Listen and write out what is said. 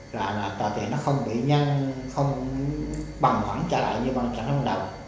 là tờ tiền nó không bị nhăn không bằng khoảng trả lại như ban đầu